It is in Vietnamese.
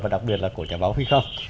và đặc biệt là của cả báo huy không